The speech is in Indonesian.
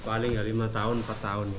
paling nggak lima tahun empat tahun